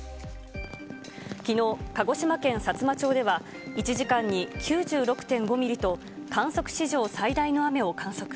きのう、鹿児島県さつま町では、１時間に９６．５ミリと、観測史上最大の雨を観測。